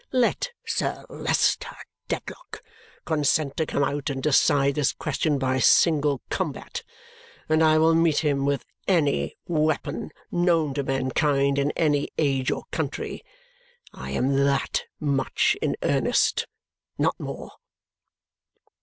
Let Sir Leicester Dedlock consent to come out and decide this question by single combat, and I will meet him with any weapon known to mankind in any age or country. I am that much in earnest. Not more!"